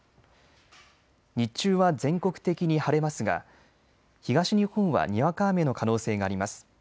日中は全国的に晴れますが東日本はにわか雨の可能性があります。